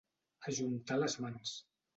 Ajuntar les mans.